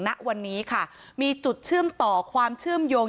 ณวันนี้ค่ะมีจุดเชื่อมต่อความเชื่อมโยง